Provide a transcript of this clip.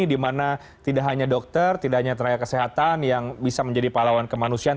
di mana tidak hanya dokter tidak hanya tenaga kesehatan yang bisa menjadi pahlawan kemanusiaan